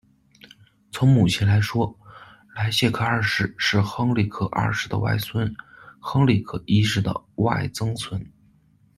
从母系来说，莱谢克二世是亨里克二世的外孙、亨里克一世的外曾孙。